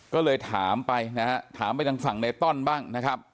ก็เลยถามไปถามไปทางฝั่งในต้อนบ้าง